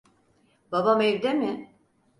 Babam evde mi?